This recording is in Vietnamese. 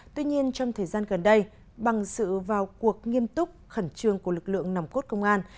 tuy nhiên trong thời gian gần đây bằng sự vào cuộc nghiêm túc khẩn trương của lực lượng nòng cốt công an